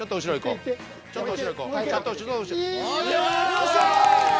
よっしゃ！